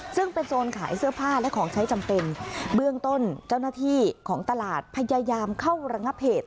ซึ่งเป็นโซนขายเสื้อผ้าและของใช้จำเป็นเบื้องต้นเจ้าหน้าที่ของตลาดพยายามเข้าระงับเหตุ